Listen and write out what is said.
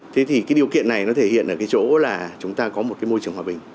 thế thì cái điều kiện này nó thể hiện ở cái chỗ là chúng ta có một cái môi trường hòa bình